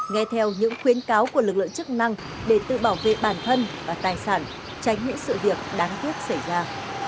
nghe theo những khuyến cáo của lực lượng chức năng để tự bảo vệ bản thân và tài sản tránh những sự việc đáng tiếc xảy ra